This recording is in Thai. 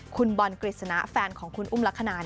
คุณบอลกฤษณะแฟนของคุณอุ้มลักษณะ